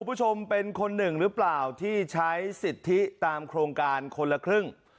คุณผู้ชมเป็นคนหนึ่งหรือเปล่าที่ใช้สิทธิตามโครงการคนละครึ่ง